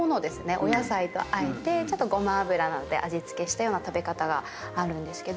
お野菜とあえてごま油などで味付けしたような食べ方があるんですけど。